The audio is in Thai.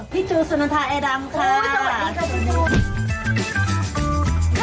พี่จูสนัทาแอดัมค่ะอุ้ยสวัสดีค่ะจู